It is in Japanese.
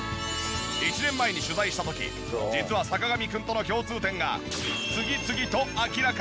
１年前に取材した時実は坂上くんとの共通点が次々と明らかになった！